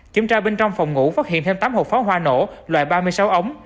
kiểm tra bên trong phòng ngủ phát hiện thêm tám hộp pháo hoa nổ loại ba mươi sáu ống